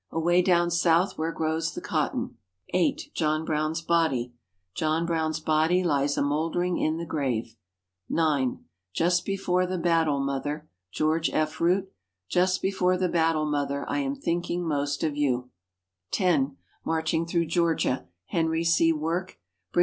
"Away down South where grows the cotton." (8) John Brown's Body. "John Brown's body lies a mould'ring in the grave." (9) Just Before the Battle, Mother. George F. Root. "Just before the battle, mother, I am thinking most of you." (10) Marching Through Georgia. Henry C. Work.